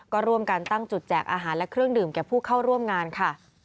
ก็ร่วมกันตั้งจุดแจกอาหารและเครื่องดื่มแก่ผู้เข้าร่วมงานค่ะ